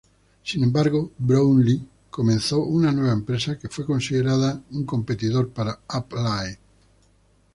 Sin embargo, Brownlee comenzó una nueva empresa, que fue considerada un competidor para Applied.